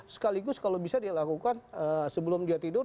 sekaligus kalau bisa dia lakukan sebelum dia tidur